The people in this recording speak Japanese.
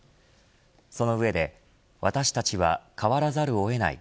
その上で私たちは変わらざるを得ない。